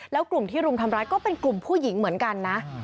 แล้วกลุ่มที่รุมทำร้ายก็เป็นกลุ่มผู้หญิงเหมือนกันนะ